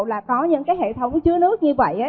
là có những cái hệ thống chứa nước như vậy